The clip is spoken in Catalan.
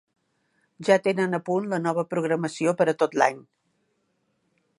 Ja tenen a punt la nova programació per a tot l'any.